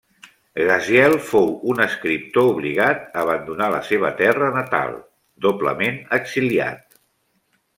Gaziel fou un escriptor obligat a abandonar la seva terra natal, doblement exiliat.